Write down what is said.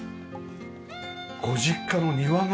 ご実家の庭が。